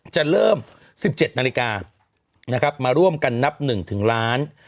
จะเริ่ม๑๗นาฬิกานะครับมาร่วมกันนับ๑ถึงล้าน